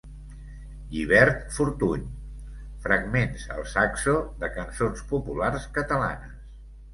Llibert Fortuny: fragments al saxo de cançons populars catalanes.